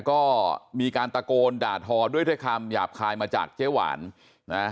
ก็มีการตะโกนด่าทอด้วยคำหยาบคายมาจากเจ๊หวานนะ